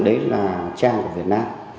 đấy là trang của việt nam